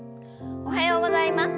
おはようございます。